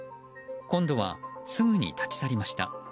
今度はすぐに立ち去りました。